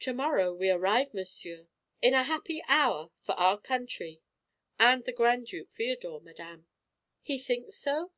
"To morrow we arrive, monsieur." "In a happy hour for our country and the Grand Duke Feodor, madame." "He thinks so?"